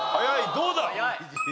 どうだ？